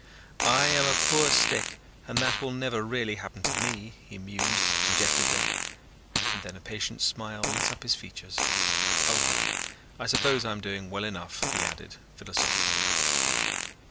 "I am a poor stick and that will never really happen to me," he mused dejectedly, and then a patient smile lit up his features. "Oh well, I suppose I'm doing well enough," he added philosophically.